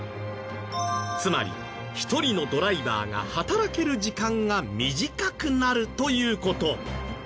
つまり１人のドライバーが働ける時間が短くなるという事。